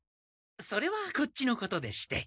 それはこっちのことでして。